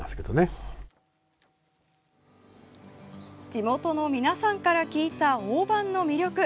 地元の皆さんから聞いたオオバンの魅力。